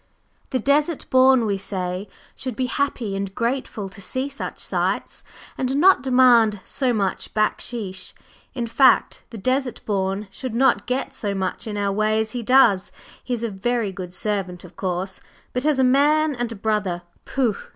The Desert Born, we say, should be happy and grateful to see such sights, and not demand so much "backsheesh." In fact, the Desert Born should not get so much in our way as he does; he is a very good servant, of course, but as a man and a brother pooh!